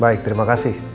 baik terima kasih